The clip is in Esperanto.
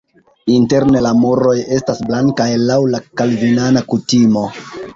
Interne la muroj estas blankaj laŭ la kalvinana kutimo.